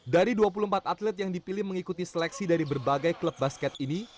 dari dua puluh empat atlet yang dipilih mengikuti seleksi dari berbagai klub basket ini